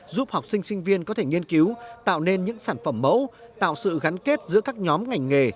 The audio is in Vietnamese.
giúp học sinh sinh viên có thể nghiên cứu tạo nên những sản phẩm mẫu tạo sự gắn kết giữa các nhóm ngành nghề